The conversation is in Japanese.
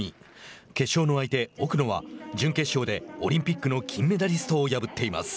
決勝の相手、奥野は準決勝でオリンピックの金メダリストを破っています。